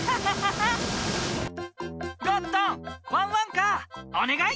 ゴットンワンワンカーおねがい！